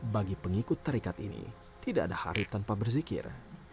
bagi pengikut tarikat ini tidak ada hari tanpa berzikir